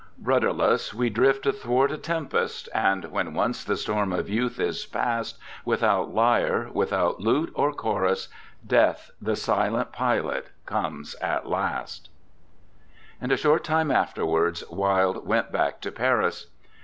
Rudderless, we drift athwart a tempest, and when once the storm of youth is past, Without lyre, without lute or chorus, Death the silent pilot comes at last. [Illustration: THE GRAVE AT BAGNEUX.] V. And a short time afterwards, Wilde went back to Paris.